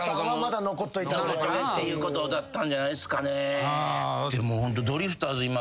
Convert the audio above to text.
残れっていうことだったんじゃないですかねでもホント。